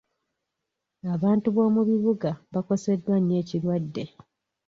Abantu b'omu bibuga bakoseddwa nnyo ekirwadde